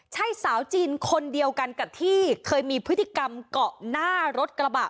ใช่สาวจีนคนเดียวกันกับที่เคยมีพฤติกรรมเกาะหน้ารถกระบะ